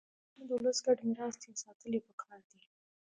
متلونه د ولس ګډ میراث دي او ساتل يې پکار دي